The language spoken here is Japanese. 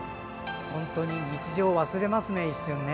本当に日常を忘れますね。